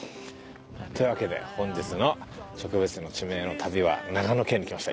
というわけで本日の植物の地名の旅は長野県に来ました。